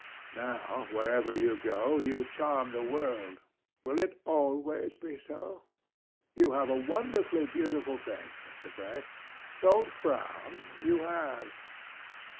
Now, wherever you go, you charm the world. Will it always be so? ... You have a wonderfully beautiful face, Mr. Gray. Don't frown. You have.